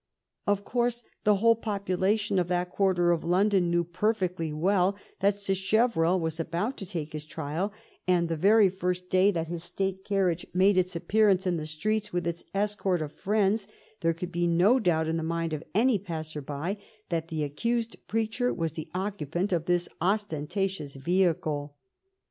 Of course the whole population of that quarter of London knew perfectly well that Sacheverell was about to take his trial, and the very first day that his state carriage made its appearance in the streets with its escort of friends there could be no doubt in the mind of any passer by that the accused preacher was the occupant of this ostentatious vehicle.